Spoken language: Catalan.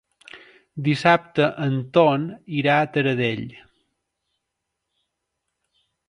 Dissabte en Ton irà a Taradell.